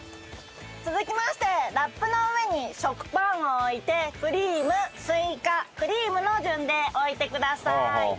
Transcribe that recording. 続きましてラップの上に食パンを置いてクリームスイカクリームの順で置いてください。